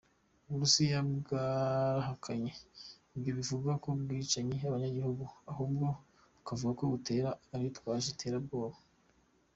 Uburusiya bwarahakanye ivyo bivugwa ko bwica abanyagihugu, ahubwo bukavuga ko butera abitwaje iterabwoba.